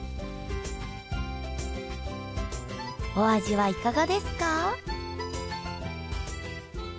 お味はいかがですか？